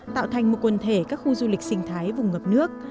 tạo thành một quần thể các khu du lịch sinh thái vùng ngập nước